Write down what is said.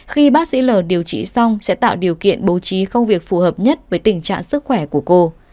khi bác sĩ l điều trị xong sẽ tạo điều kiện bố trí công việc phù hợp nhất với tình trạng sức khỏe của cô